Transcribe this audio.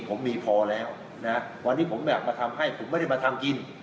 ผมมีพอแล้วนะวันนี้ผมอยากมาทำให้ผมไม่ได้มาทำกิน